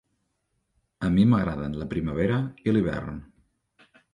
A mi m'agraden la primavera i l'hivern.